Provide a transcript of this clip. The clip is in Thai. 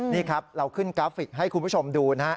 นี่ครับเราขึ้นกราฟิกให้คุณผู้ชมดูนะฮะ